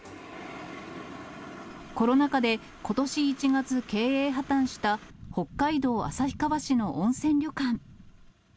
コロナ禍でことし１月、経営破綻した北海道旭川市の温泉旅館。